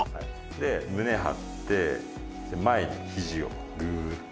で胸張って前に肘をグーッと。